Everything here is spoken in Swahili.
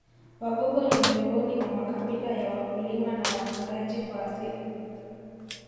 Wagogo ni miongoni mwa makabila ya wakulima na wafugaji kwa asili